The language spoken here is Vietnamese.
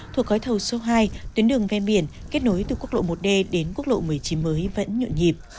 thuộc gói thầu số hai tuyến đường ven biển kết nối từ quốc lộ một d đến quốc lộ một mươi chín mới vẫn nhộn nhịp